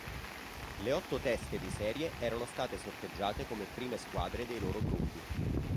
Le otto teste di serie erano state sorteggiate come prime squadre dei loro gruppi.